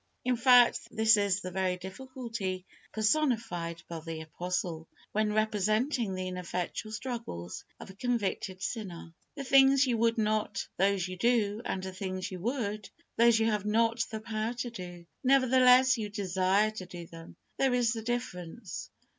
In fact, this is the very difficulty personified by the apostle, when representing the ineffectual struggles of a convicted sinner. The things you would not, those you do, and the things you would, those you have not the power to do. Nevertheless, you desire to do them. There is the difference.